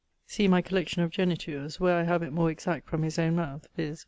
] See my collection of genitures[FM], where I have it more exact from his owne mouth, viz.